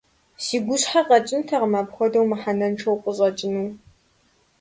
Си гущхьэ къэкӀынтэкъым, апхуэдэу мыхьэнэншэу укъыщӀэкӀыну.